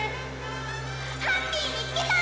ハッピーみつけた！